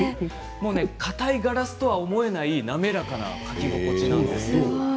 かたいガラスとは思えない滑らかな書き心地なんです。